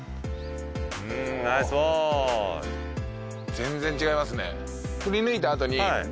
全然違いますね。